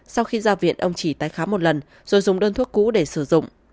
sau khi ra viện ông chỉ tái khám một lần rồi dùng đơn thuốc cũ để sử dụng